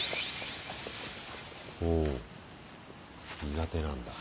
苦手なんだ。